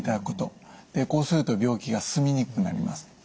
こうすると病気が進みにくくなります。